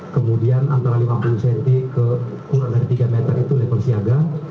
kemudian antara lima puluh cm ke kurang dari tiga meter itu level siaga